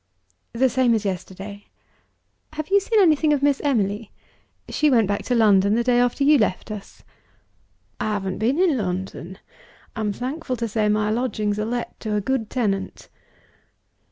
"The same as yesterday. Have you seen anything of Miss Emily? She went back to London the day after you left us." "I haven't been in London. I'm thankful to say my lodgings are let to a good tenant."